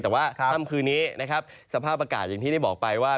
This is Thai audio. แต่ว่าค่ำคืนนี้นะครับสภาพอากาศอย่างที่ได้บอกไปว่า